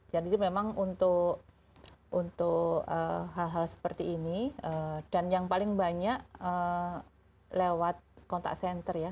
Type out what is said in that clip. jadi memang untuk hal hal seperti ini dan yang paling banyak lewat kontak senter ya